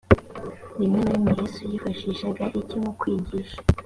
rimwe na rimwe yesu yifashishaga iki mu kwigisha